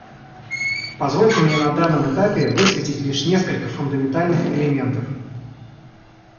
Позвольте мне на данном этапе высветить лишь несколько фундаментальных элементов.